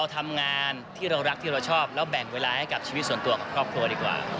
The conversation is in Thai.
ทำงานที่เรารักที่เราชอบแล้วแบ่งเวลาให้กับชีวิตส่วนตัวกับครอบครัวดีกว่า